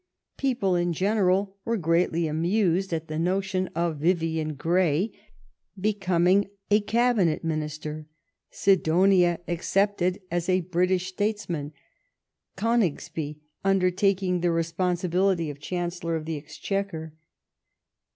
People in general were greatly amused at the notion of "Vivian Grey" becoming a Cabinet Minister, "Sidonia" accepted as a British states THE ECCLESIASTICAL TITLES BILL 155 man, " Coningsby " undertaking the responsibility of Chancellor of the Exchequer.